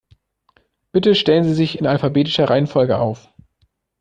Bitte stellen Sie sich in alphabetischer Reihenfolge auf.